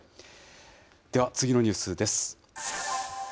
では、次のニュースです。